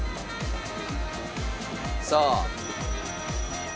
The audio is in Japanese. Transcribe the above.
さあ。